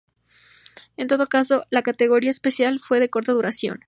En todo caso, la Categoría Especial fue de corta duración.